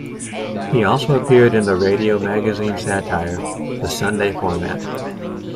He also appeared in the radio magazine satire "The Sunday Format".